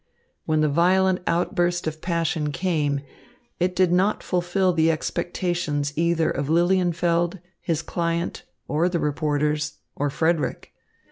When the violent outburst of passion came, it did not fulfill the expectations either of Lilienfeld, his client, or the reporters, or Frederick.